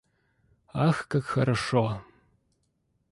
– Ах, как хорошо!